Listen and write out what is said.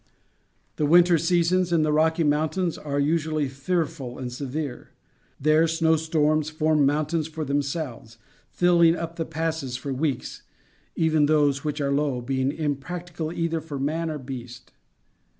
The winter seasons in the Rocky Mountains are usually fearful and severe. There, snow storms form mountains for themselves, filling up the passes for weeks, even those which are low being impracticable either for man or beast.